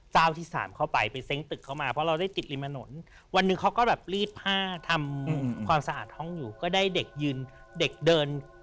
ก็แก๊กตัวฮะก็แก๊กส์